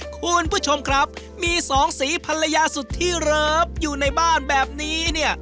คุณผู้ชมครับมีสองสีภรรยาสุดที่เลิฟอยู่ในบ้านแบบนี้เนี่ย